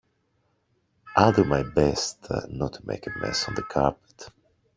I'll do my best not to make a mess on the carpet.